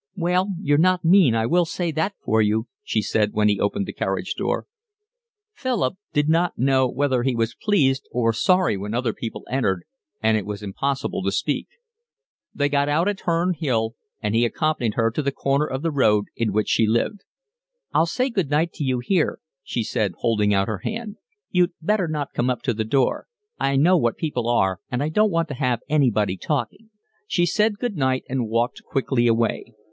"Well, you're not mean, I will say that for you," she said, when he opened the carriage door. Philip did not know whether he was pleased or sorry when other people entered and it was impossible to speak. They got out at Herne Hill, and he accompanied her to the corner of the road in which she lived. "I'll say good night to you here," she said, holding out her hand. "You'd better not come up to the door. I know what people are, and I don't want to have anybody talking." She said good night and walked quickly away.